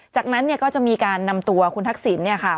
จากนั้นเนี่ยก็จะมีการนำตัวคุณทักษิณเนี่ยค่ะ